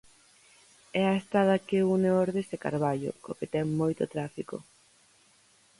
É a estrada que une Ordes e Carballo, co que ten moito tráfico.